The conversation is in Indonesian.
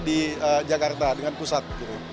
di jakarta dengan pusat